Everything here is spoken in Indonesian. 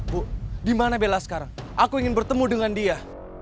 bu dimana bella sekarang aku ingin bertemu dengan dia